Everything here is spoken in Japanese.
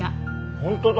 本当だ。